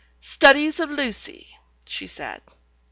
"Studies of Lucy," she said.